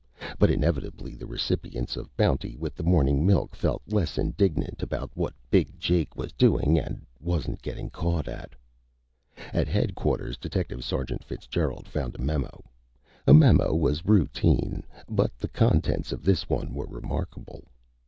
But inevitably the recipients of bounty with the morning milk felt less indignation about what Big Jake was doing and wasn't getting caught at. At Headquarters, Detective Sergeant Fitzgerald found a memo. A memo was routine, but the contents of this one were remarkable.